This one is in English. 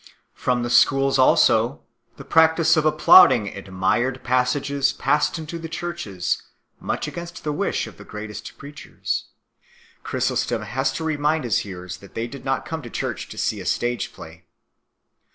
From the schools also the practice of applauding admired passages passed into the churches, much against the wish of the greatest preachers. Chrys ostom 4 has to remind his hearers that they did not come to church to see a stage play.